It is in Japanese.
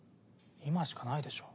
今しかないでしょ。